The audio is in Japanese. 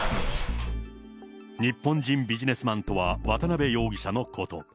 日本人ビジネスマンとは渡辺容疑者のこと。